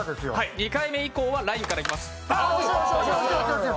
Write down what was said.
２回目以降はラインからいきます。